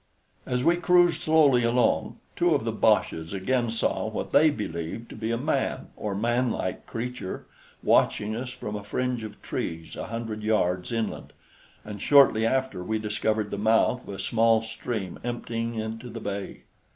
As we cruised slowly along, two of the boches again saw what they believed to be a man, or manlike creature, watching us from a fringe of trees a hundred yards inland, and shortly after we discovered the mouth of a small stream emptying into the bay.